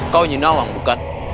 kau ini nawang bukan